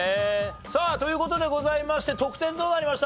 さあという事でございまして得点どうなりました？